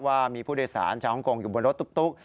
ว่ามีผู้โดยสารชาวฮ่องกงอยู่บนรถตุ๊ก